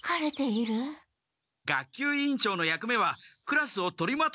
学級委員長の役目はクラスを取りまとめること。